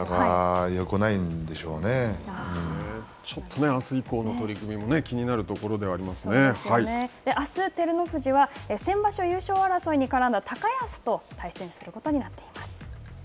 ちょっとね、あす以降の取組もあす照ノ富士は先場所優勝争いに絡んだ高安と対戦することになっています。